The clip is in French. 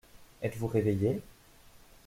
Êtes-vous réveillé ?